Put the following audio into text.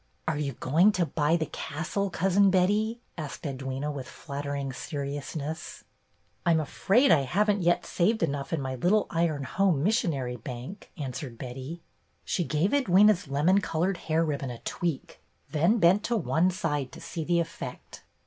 "Are you going to buy the castle. Cousin Betty?" asked Edwyna, with flattering seri ousness. "I 'm afraid I haven't yet saved enough 6 BETTY BAIRD'S GOLDEN YEAR in my little iron home missionary bank/' an swered Betty. She gave Edwyna's lemon colored hair ribbon a tweak, then bent to one side to see the effect.